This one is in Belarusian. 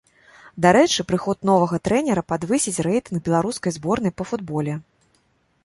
Дарэчы, прыход новага трэнера падвысіць рэйтынг беларускай зборнай па футболе.